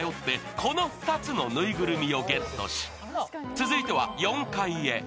続いては４階へ。